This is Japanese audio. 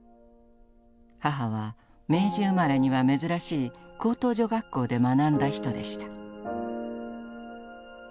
母は明治生まれには珍しい高等女学校で学んだ人でした。